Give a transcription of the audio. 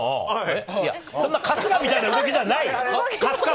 そんな春日みたいな動きじゃないよ。